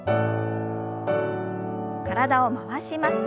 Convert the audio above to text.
体を回します。